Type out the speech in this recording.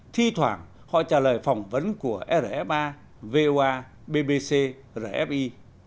thi thoảng họ trả lời phỏng vấn của rfa voa bbc rfi